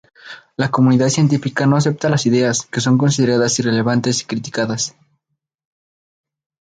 La comunidad científica no acepta sus ideas, que son consideradas irrelevantes y criticadas.